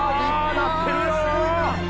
わすごいな。